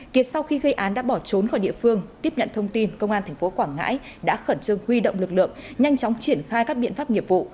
kiệt sau khi gây án đã bỏ trốn khỏi địa phương tiếp nhận thông tin công an tp quảng ngãi đã khẩn trương huy động lực lượng nhanh chóng triển khai các biện pháp nghiệp vụ